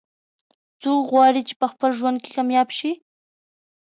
څوک غواړي چې په خپل ژوند کې کامیاب شي